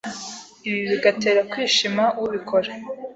ibi bigatera kwishima ubikora.